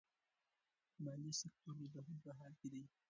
مالي سکتور د تحول په حال کې دی.